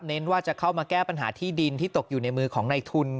ว่าจะเข้ามาแก้ปัญหาที่ดินที่ตกอยู่ในมือของในทุน